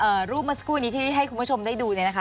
คุณผู้ชมครับรูปมาสกุลนี้ที่ให้คุณพวกชมได้ดูนะคะ